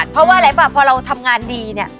เพราะว่าอะไรป่ะพอเราทำงานดีเนี่ย